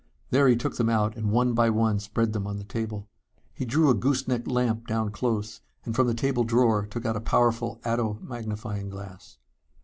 There he took them out and one by one spread them on the table. He drew a goose necked lamp down close and from the table drawer took out a powerful ato magnifying glass.